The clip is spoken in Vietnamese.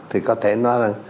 thì có thể nói là